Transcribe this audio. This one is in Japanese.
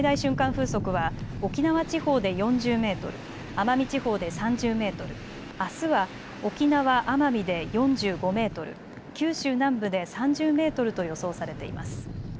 風速は沖縄地方で４０メートル、奄美地方で３０メートル、あすは沖縄・奄美で４５メートル、九州南部で３０メートルと予想されています。